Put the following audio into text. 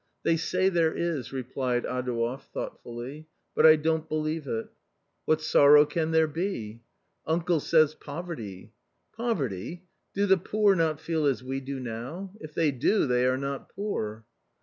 "They say there is," replied Adouev, thoughtfully, "but I don't believe it." " What sorrow can there be ?"" Uncle says — poverty." " Poverty ! do the poor not feel as we do now ; if they do, they are not poor."